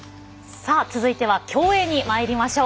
続いては競泳にまいりましょう。